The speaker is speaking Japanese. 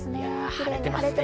晴れてますね。